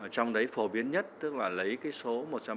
trong đấy phổ biến nhất tức là lấy cái số một trăm linh tám